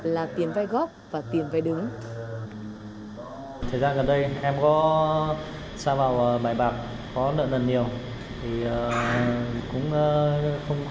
là tiền vai góp và tiền vai đứng